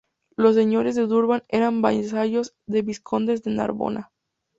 Los Señores de Durban eran vasallos de los vizcondes de Narbona.